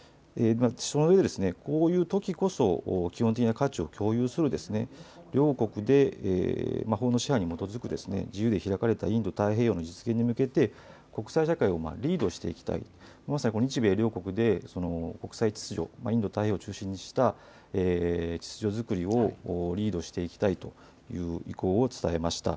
そのうえで、こういうときこそ基本的な価値を共有する、両国で法の支配に基づく自由で開かれたインド太平洋の実現に向けて国際社会をリードしていきたい、まさに日米両国で国際秩序、インド太平洋を中心にした秩序作りをリードしていきたいという意向を伝えました。